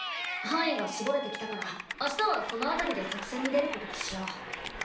範囲が絞れてきたから明日はそのあたりで作戦に出ることとしよう。